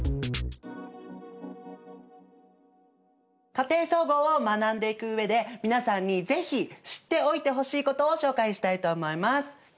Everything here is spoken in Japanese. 「家庭総合」を学んでいく上で皆さんにぜひ知っておいてほしいことを紹介したいと思います。